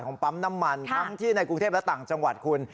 ปั๊มน้ำมันทั้งที่ในกรุงเทพและต่างจังหวัดคุณ